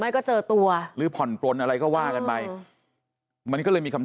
ก็เจอตัวหรือผ่อนปลนอะไรก็ว่ากันไปมันก็เลยมีคำ